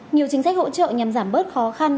nhiều chính sách hỗ trợ nhằm giảm bớt khó khăn